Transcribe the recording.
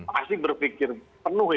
pasti berpikir penuh itu